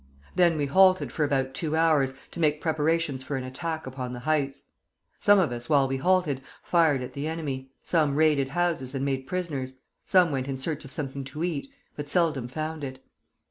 Then we halted for about two hours, to make preparations for an attack upon the heights. Some of us while we halted, fired at the enemy, some raided houses and made prisoners; some went in search of something to eat, but seldom found it.